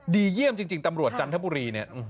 ดีเยี่ยมจริงตำรวจจันทบุรีเนี่ย